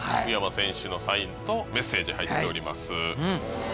宇山選手のサインとメッセージ入っております。